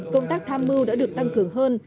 công tác tham mưu đã được tăng cường hơn